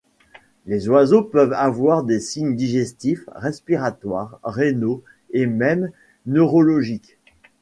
Les oiseaux peuvent avoir des signes digestifs, respiratoires, rénaux et même neurologiques.